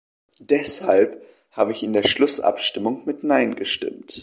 Deshalb habe ich in der Schlussabstimmung mit "Nein" gestimmt.